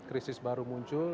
krisis baru muncul